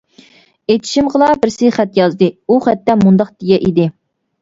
ئېچىشىمغىلا بىرسى خەت يازدى ئۇ خەتتە مۇنداق دېگەن ئىدى.